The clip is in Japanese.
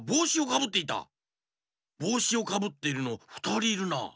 ぼうしをかぶってるのふたりいるな。